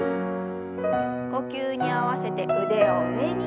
呼吸に合わせて腕を上に。